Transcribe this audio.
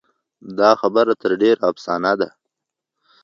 دا خبره تر ډېره افسانه ده.